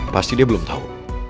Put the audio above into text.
pasti dia belum tau